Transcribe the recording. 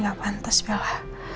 gak pantas bella